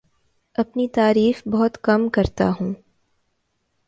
اپنی تعریف بہت کم کرتا ہوں